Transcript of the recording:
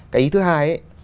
cái ý thứ hai